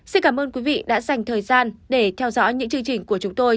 xin cảm ơn quý vị đã dành thời gian để theo dõi những chương trình của chúng tôi